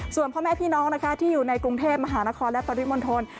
ส่วนพ่อแม่พี่น้องนะคะที่อยู่ในกรุงเทพมหานครและปริมณฑล